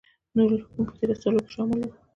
نور الحکم په دې رسالو کې شامل و.